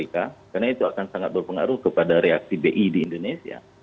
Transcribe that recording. karena itu akan sangat berpengaruh kepada reaksi bi di indonesia